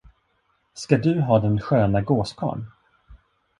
Ska du ha den sköna gåskarln?